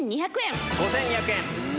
５２００円。